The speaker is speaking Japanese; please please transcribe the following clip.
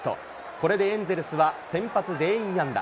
これでエンゼルスは、先発全員安打。